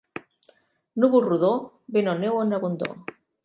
Núvol rodó, vent o neu en abundor.